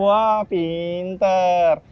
wah wah wah pinter